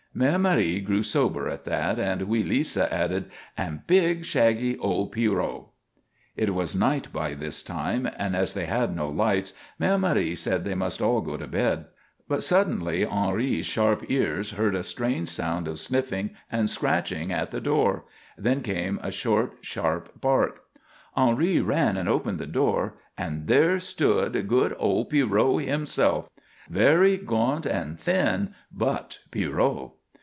Mère Marie grew sober at that, and wee Lisa added, "And big, shaggy old Pierrot." It was night by this time, and as they had no lights Mère Marie said they must all go to bed. But suddenly Henri's sharp ears caught a strange sound of sniffing and scratching at the door. Then came a short, sharp bark. Henri ran and opened the door, and there stood good old Pierrot himself, very gaunt and thin, but Pierrot!